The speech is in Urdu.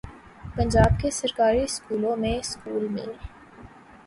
پنجاب کے سرکاری سکولوں میں سکول میل